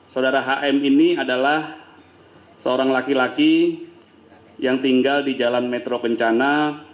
saudara hm ini adalah seorang laki laki yang tinggal di jalan metro kencana